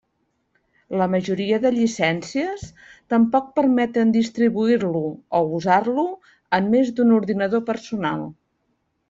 La majoria de llicències tampoc permeten distribuir-lo o usar-lo en més d'un ordinador personal.